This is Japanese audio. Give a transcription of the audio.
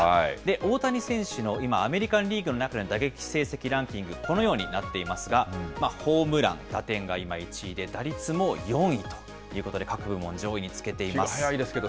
大谷選手の今、アメリカンリーグの中での打撃成績ランキング、このようになっていますが、ホームラン、打点が今１位で、打率も４位ということで、各部門、上位につけています。